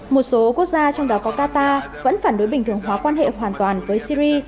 một số quốc gia trong đó có qatar vẫn phản đối bình thường hóa quan hệ hoàn toàn với syri